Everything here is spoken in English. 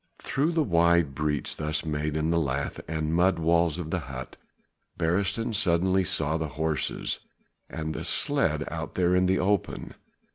Through the wide breach thus made in the lath and mud walls of the hut, Beresteyn suddenly saw the horses and the sledge out there in the open.